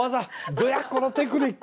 どやこのテクニック。